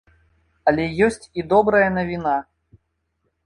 Але ёсць і добрая навіна.